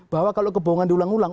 bahwa kalau kebohongan diulang ulang